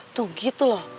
tuh gitu loh